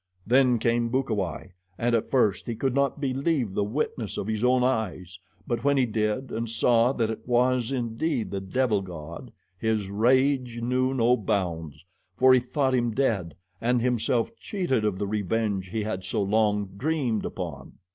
Then came Bukawai, and at first he could not believe the witness of his own eyes; but when he did and saw that it was indeed the devil god his rage knew no bounds, for he thought him dead and himself cheated of the revenge he had so long dreamed upon.